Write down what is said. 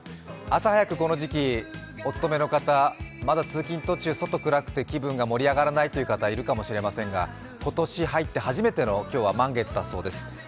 朝早くこの時期、お勤めの方、通勤途中まだ外、暗くて気分が盛り上がらないという方、いるかもしれませんが今年入って初めての今日は満月だそうです。